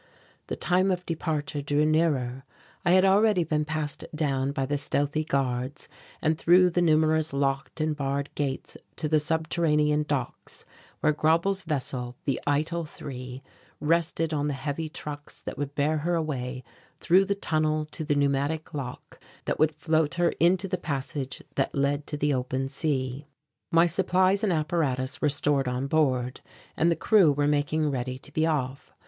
The time of departure drew nearer. I had already been passed down by the stealthy guards and through the numerous locked and barred gates to the subterranean docks where Grauble's vessel, the Eitel 3, rested on the heavy trucks that would bear her away through the tunnel to the pneumatic lock that would float her into the passage that led to the open sea. My supplies and apparatus were stored on board and the crew were making ready to be off.